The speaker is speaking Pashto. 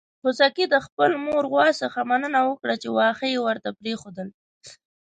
خوسکي د خپلې مور غوا څخه مننه وکړه چې واښه يې ورته پرېښودل.